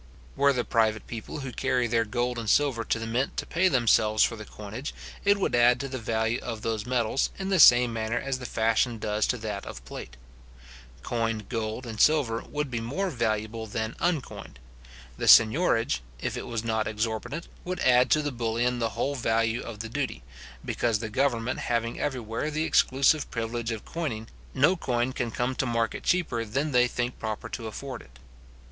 Were the private people who carry their gold and silver to the mint to pay themselves for the coinage, it would add to the value of those metals, in the same manner as the fashion does to that of plate. Coined gold and silver would be more valuable than uncoined. The seignorage, if it was not exorbitant, would add to the bullion the whole value of the duty; because, the government having everywhere the exclusive privilege of coining, no coin can come to market cheaper than they think proper to afford it.